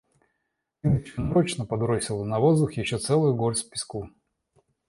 Лидочка нарочно подбросила на воздух ещё целую горсть песку.